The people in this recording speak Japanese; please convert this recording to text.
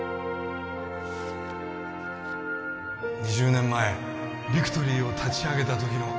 ２０年前ビクトリーを立ち上げた時の